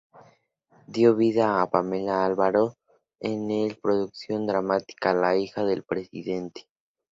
Dio vida a Pamela Alvarado en la producción dramática ""La hija del presidente"".